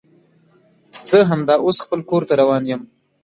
زه همدا اوس خپل کور ته روان یم